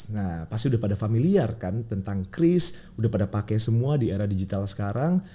nah pasti udah pada familiar kan tentang kris udah pada pakai semua di era digital sekarang